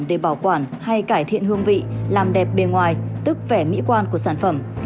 để bảo quản hay cải thiện hương vị làm đẹp bề ngoài tức vẻ mỹ quan của sản phẩm